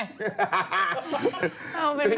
ทำไม